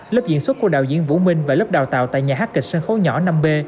lớp diễn xuất của đạo diễn vũ minh và lớp đào tạo tại nhà hát kịch sân khấu nhỏ năm b